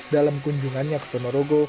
dalam kunjungannya ke ponorogo